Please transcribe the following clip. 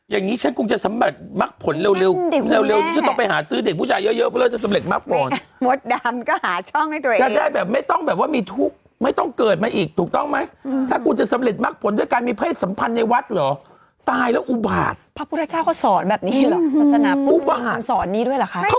อย่างนี้ฉันกงจะสำหรับมักผลเร็ว